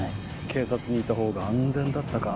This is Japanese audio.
警察にいた方が安全だったか？